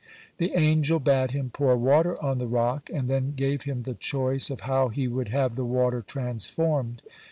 The angel bade him pour water on the rock, and then gave him the choice of how he would have the water transformed.